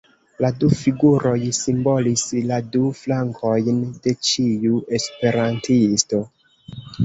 La du figuroj simbolis la du flankojn de ĉiu esperantisto.